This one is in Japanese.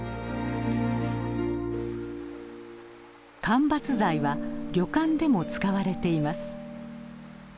間伐材は旅館でも使われています。